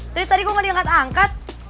dari tadi gue mau diangkat angkat